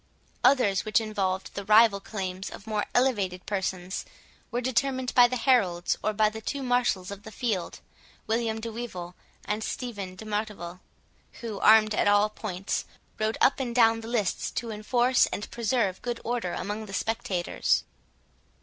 Others, which involved the rival claims of more elevated persons, were determined by the heralds, or by the two marshals of the field, William de Wyvil, and Stephen de Martival, who, armed at all points, rode up and down the lists to enforce and preserve good order among the spectators.